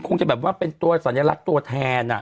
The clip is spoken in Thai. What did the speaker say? คงจะแบบว่าเป็นตัวสัญลักษณ์ตัวแทน